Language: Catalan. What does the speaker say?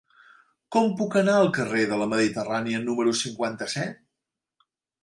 Com puc anar al carrer de la Mediterrània número cinquanta-set?